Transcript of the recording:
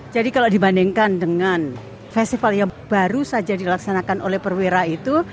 jadi kalau dibandingkan dengan festival yang baru saja dilaksanakan oleh perwira itu